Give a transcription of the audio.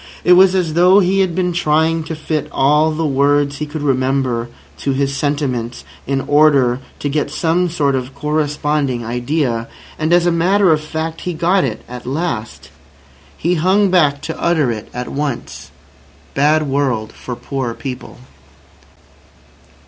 It was as though he had been trying to fit all the words he could remember to his sentiments in order to get some sort of corresponding idea. And, as a matter of fact, he got it at last. He hung back to utter it at once. "Bad world for poor people."